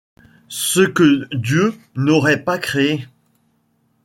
Ce que Dieu n’aurait pas créé !